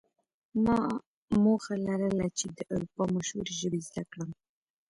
ما موخه لرله چې د اروپا مشهورې ژبې زده کړم